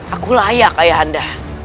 aku layak ayahanda